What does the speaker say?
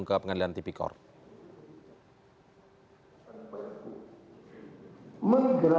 kalau begitu itu segera menurut negara